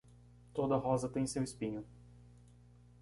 Toda rosa tem seu espinho.